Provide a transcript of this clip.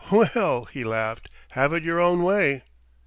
"Well!" he laughed "have it your own way!..."